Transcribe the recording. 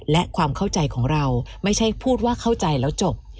และความเข้าใจของเราไม่ใช่พูดว่าเข้าใจแล้วจบ